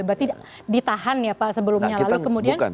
berarti ditahan ya pak sebelumnya lalu kemudian